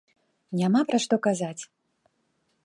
Няма пра што казаць.